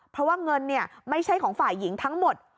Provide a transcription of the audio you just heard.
เพราะว่าเงินไม่ใช่ของฝ่ายหญิงทั้งหมด